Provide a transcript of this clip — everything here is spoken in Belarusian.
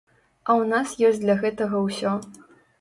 А ў нас ёсць для гэтага ўсё.